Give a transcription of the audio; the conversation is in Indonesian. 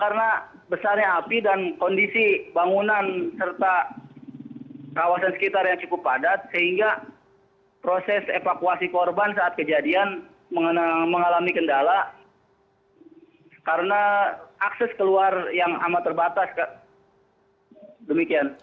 karena besarnya api dan kondisi bangunan serta kawasan sekitar yang cukup padat sehingga proses evakuasi korban saat kejadian mengalami kendala karena akses keluar yang amat terbatas kak demikian